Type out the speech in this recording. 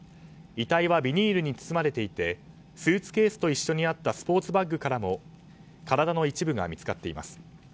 遺体はビニールに包まれていてスーツケースと一緒にあったスポーツバッグからも体の一部が見つかっています。